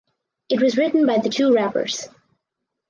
It was written by the two rappers.